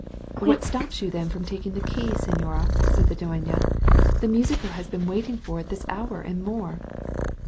"What stops you then from taking the key, señora?" said the dueña. "The musico has been waiting for it this hour and more."